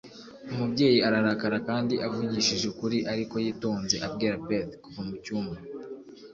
Umubyeyi ararakara kandi avugishije ukuri ariko yitonze abwira Beth kuva mucyumba